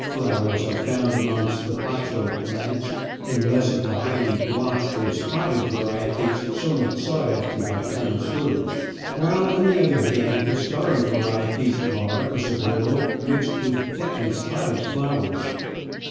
141 flowers are found amongst the Pacho plants, and less of the highly blotched or spotted varieties so much sought after by connoisseurs ; while, on the other hand, the starry varieties are, as a rule, mixed with thickly spotted flowers.